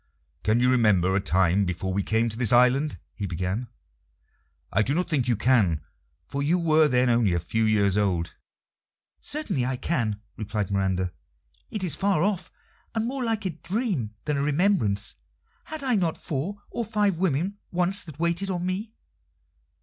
"Can you remember a time before we came to this island?" he began. "I do not think you can, for you were then only a few years old." "Certainly I can," replied Miranda. "It is far off, and more like a dream than a remembrance. Had I not four or five women once that waited on me?"